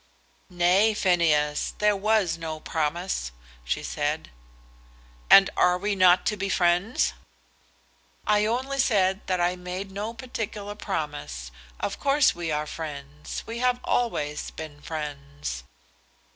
"Nay, Phineas; there was no promise," she said. "And are we not to be friends?" "I only say that I made no particular promise. Of course we are friends. We have always been friends."